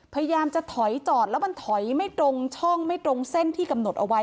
พยายามจะถอยจอดแล้วมันถอยไม่ตรงช่องไม่ตรงเส้นที่กำหนดเอาไว้